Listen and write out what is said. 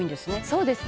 「そうですね」